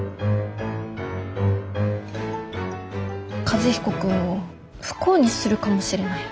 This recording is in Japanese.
和彦君を不幸にするかもしれない。